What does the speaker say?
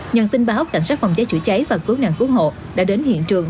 nhân tin báo cảnh sát phòng cháy chữa cháy và cứu nàng cứu hộ đã đến hiện trường